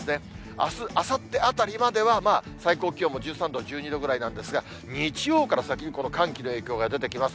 あす、あさってあたりまでは、最高気温も１３度、１２度ぐらいなんですが、日曜から先、この寒気の影響が出てきます。